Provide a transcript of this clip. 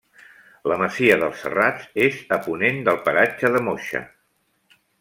La masia dels Serrats és a ponent del paratge de Moixa.